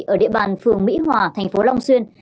ở địa bàn phường mỹ hòa thành phố long xuyên